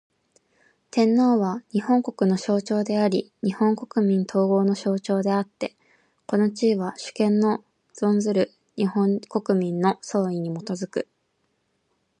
天皇は、日本国の象徴であり日本国民統合の象徴であつて、この地位は、主権の存する日本国民の総意に基く。